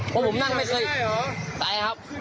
เพราะผมนั่งไม่เคยตายครับขึ้นไปได้หรอ